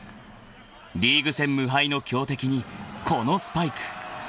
［リーグ戦無敗の強敵にこのスパイク］